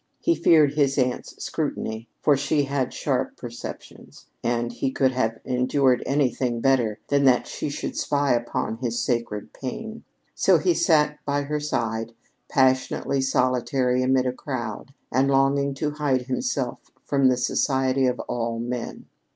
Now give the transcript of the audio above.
He feared his aunt's scrutiny, for she had sharp perceptions, and he could have endured anything better than that she should spy upon his sacred pain. So he sat by her side, passionately solitary amid a crowd and longing to hide himself from the society of all men.